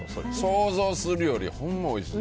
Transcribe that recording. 想像するより、ほんまおいしい。